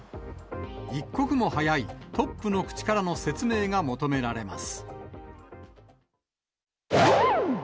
一刻も早いトップの口からの説明が求められます。